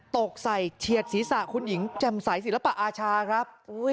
ตกใส่เฉียดศีรษะคุณหญิงแจ่มใสศิลปะอาชาครับ